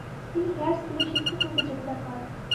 তিনি হেয়ার স্কুলে শিক্ষকরূপে যোগদান করেন।